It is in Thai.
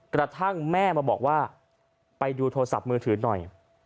กระทั่งแม่มาบอกว่าไปดูโทรศัพท์มือถือหน่อย